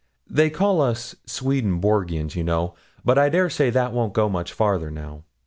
They call us Swedenborgians, you know; but I dare say that won't go much further, now.